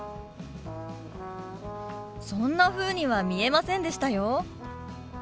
そんなふうには見えませんでしたよ。